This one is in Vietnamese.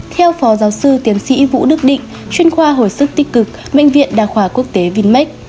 theo phó giáo sư tiến sĩ vũ đức định chuyên khoa hồi sức tích cực bệnh viện đà khoa quốc tế vinmec